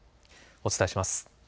お伝えします。